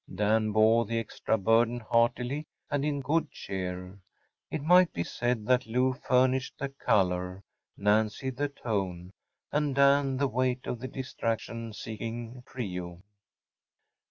Dan bore the extra burden heartily and in good cheer. It might be said that Lou furnished the color, Nancy the tone, and Dan the weight of the distraction seeking trio.